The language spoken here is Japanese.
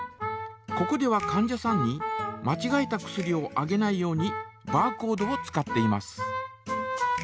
ここではかん者さんにまちがえた薬をあげないようにバーコードを使っています。